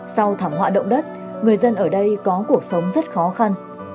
sau thảm họa động đất người dân ở đây có cuộc sống rất khó khăn